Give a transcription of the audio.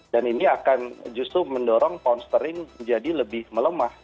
dan ini akan justru mendorong ponsterin menjadi lebih melemah